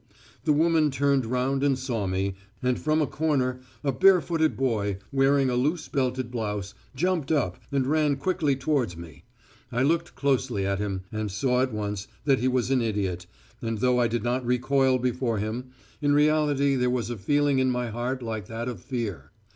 The woman turned round and saw me, and from a corner a barefooted boy, wearing a loose belted blouse, jumped up and ran quickly towards me. I looked closely at him, and saw at once that he was an idiot, and, though I did not recoil before him, in reality there was a feeling in my heart like that of fear.